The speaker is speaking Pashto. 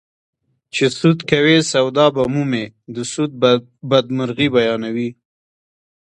چې سود کوې سودا به مومې د سود بدمرغي بیانوي